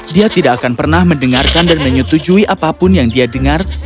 dia tidak akan pernah mendengarkan dan menyetujui apapun yang dia dengar